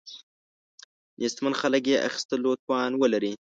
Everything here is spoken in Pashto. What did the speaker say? نیستمن خلک یې اخیستلو توان ولري.